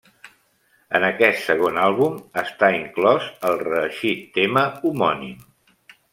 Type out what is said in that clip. En aquest segon àlbum, està inclòs el reeixit tema homònim.